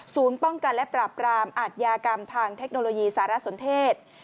ป้องกันและปราบรามอาทยากรรมทางเทคโนโลยีสารสนเทศ